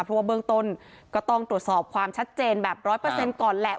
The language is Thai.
เพราะว่าเบื้องต้นก็ต้องตรวจสอบความชัดเจนแบบร้อยเปอร์เซ็นต์ก่อนแหละ